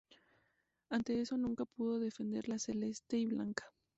Ante esto, nunca pudo defender la celeste y blanca.